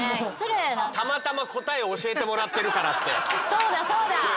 そうだそうだ。